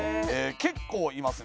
結構いますね。